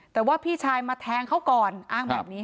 แต่ว่าพี่ชายมาแทงเขาก่อนอ้างแบบนี้